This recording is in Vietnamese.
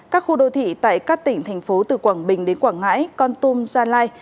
các khu đô thị tại các tỉnh thành phố từ quảng bình đến quảng ngãi con tum gia lai